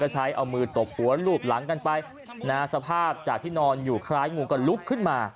ใช้เอามือตบหัวลูบหลังกันไปสภาพจากที่นอนอยู่คล้ายงูก็ลุกขึ้นมา